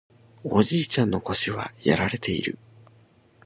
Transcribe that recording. おじいちゃんの腰はやられている